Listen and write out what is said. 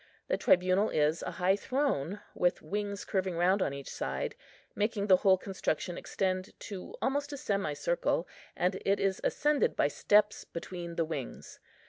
The tribunal is a high throne, with wings curving round on each side, making the whole construction extend to almost a semicircle, and it is ascended by steps between the wings.